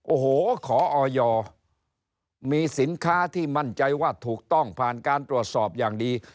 โอ้โหขอออยมีสินค้าที่มั่นใจว่าถูกต้องผ่านการตรวจสอบอย่างดี